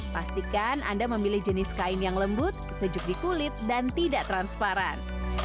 pastikan anda memilih jenis kain yang lembut sejuk di kulit dan tidak transparan